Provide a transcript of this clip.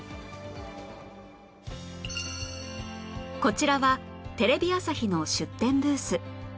こちらはテレビ朝日の出展ブース